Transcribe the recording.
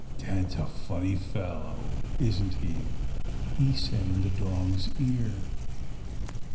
" Dad's a funny fellow, isn't he?" he said in the dog's ear.